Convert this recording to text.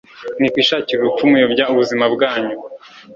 mwikwishakira urupfu muyobya ubuzima bwanyu